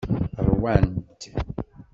Ṛwant.